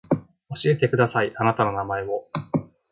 教えてくださいあなたの名前を